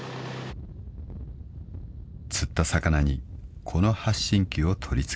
［釣った魚にこの発信器を取り付ける］